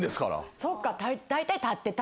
そっか。